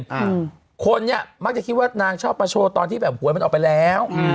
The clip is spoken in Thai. อืมคนเนี้ยมักจะคิดว่านางชอบมาโชว์ตอนที่แบบหวยมันออกไปแล้วอืม